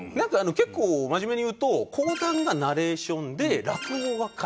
結構真面目に言うと講談がナレーションで落語が会話みたいな。